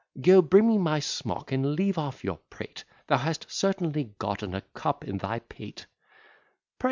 '" "Go bring me my smock, and leave off your prate, Thou hast certainly gotten a cup in thy pate."